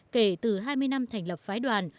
kể từ hai mươi năm thành lập phái đoàn